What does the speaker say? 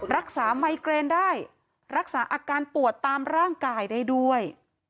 ไมเกรนได้รักษาอาการปวดตามร่างกายได้ด้วย